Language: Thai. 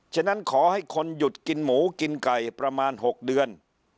ฉะนั้นขอให้คนหยุดกินหมูกินไก่ประมาณ๖เดือน